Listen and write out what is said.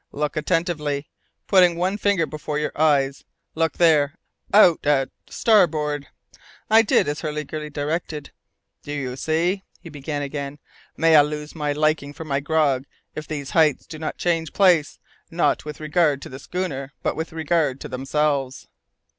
"Look attentively, putting one finger before your eyes look there out a starboard." I did as Hurliguerly directed. "Do you see?" he began again. "May I lose my liking for my grog if these heights do not change place, not with regard to the schooner, but with regard to themselves!"